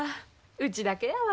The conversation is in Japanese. うちだけやわ。